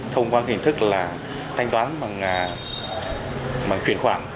thông qua hình thức là thanh toán bằng chuyển khoản